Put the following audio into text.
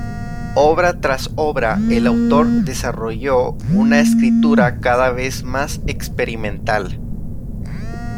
Obra tras obra, el autor desarrolló una escritura cada vez más experimental.